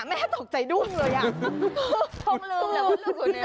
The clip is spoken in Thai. แม่ตกใจดุ้งเลยทองลืมกว่าลูกอยู่ในห้อง